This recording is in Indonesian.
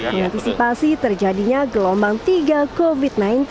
mengantisipasi terjadinya gelombang tiga covid sembilan belas